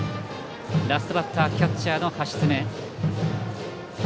ラストバッターキャッチャーの橋爪。